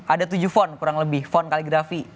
ada tujuh font kurang lebih font kaligrafi